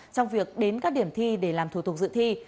trong việc đến các điểm thi để làm thủ tục dự thi